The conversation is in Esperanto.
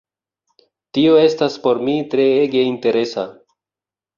Tio estas por mi treege interesa.